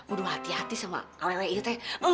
aduh hati hati sama kawasan itu